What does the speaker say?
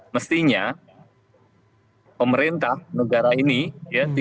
mestinya pemerintah negara ini tidak menanggungnya